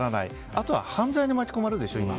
あと、今は犯罪に巻き込まれるでしょ。